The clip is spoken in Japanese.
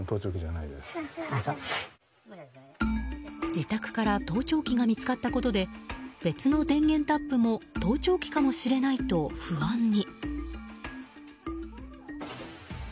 自宅から盗聴器が見つかったことで別の電源タップも盗聴かもしれないと不安に。